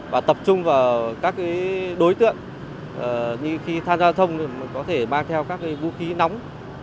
và tập trung vào các đối tượng như khi thanh giao thông có thể mang theo các vũ khí nóng